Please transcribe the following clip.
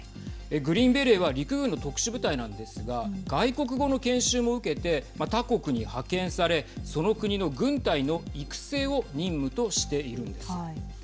グリーンベレーは陸軍の特殊部隊なんですが外国語の研修も受けて他国に派遣され、その国の軍隊の育成を任務としているんです。